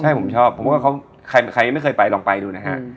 ใช่ผมชอบผมก็เขาใครใครไม่เคยไปลองไปดูนะฮะอืม